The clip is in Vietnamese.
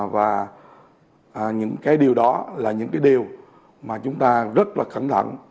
và những cái điều đó là những cái điều mà chúng ta rất là cẩn thận